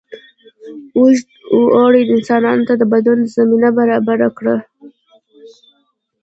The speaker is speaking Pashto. اوږد اوړي انسانانو ته د بدلون زمینه برابره کړه.